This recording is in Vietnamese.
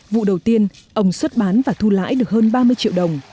vụ đầu tiên ông xuất bán và thu lãi được hơn ba mươi triệu đồng